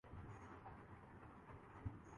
آپ کا نام؟